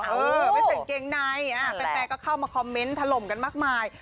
เออไม่ใส่เกงในแฟนก็เข้ามาคอมเมนต์ถล่มกันมากมาย